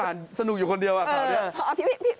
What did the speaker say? อ่านสนุกอยู่คนเดียวอ่ะเขาเนี่ย